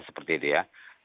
seperti itu ya